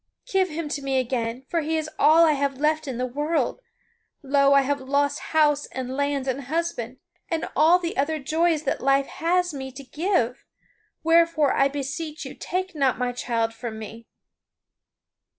Give him to me again, for he is all I have left in the world. Lo, I have lost house and lands and husband, and all the other joys that life has me to give, wherefore, I beseech you, take not my child from me."